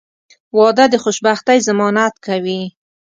• واده د خوشبختۍ ضمانت کوي.